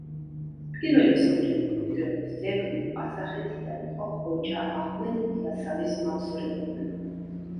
პირველი მსოფლიო მემკვიდრეობის ძეგლი ყაზახეთიდან იყო ხოჯა აჰმედ იასავის მავზოლეუმი.